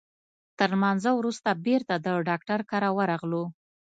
تر لمانځه وروسته بیرته د ډاکټر کره ورغلو.